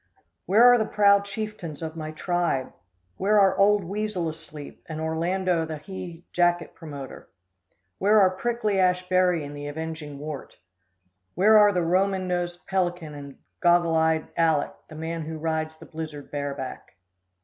Where are the proud chieftains of my tribe? Where are Old Weasel Asleep and Orlando the Hie Jacet Promoter? Where are Prickly Ash Berry and The Avenging Wart? Where are The Roman nosed Pelican and Goggle eyed Aleck, The man who rides the blizzard bareback?